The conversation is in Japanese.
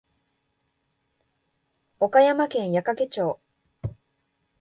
岡山県矢掛町